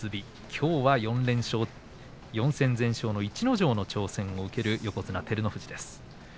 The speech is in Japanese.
きょうは４戦全勝の逸ノ城の挑戦を受ける横綱照ノ富士です。